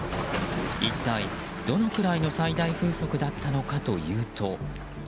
一体、どのくらいの最大風速だったのかというと。